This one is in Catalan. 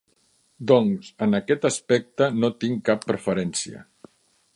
Doncs, en aquest aspecte, no tinc cap preferència.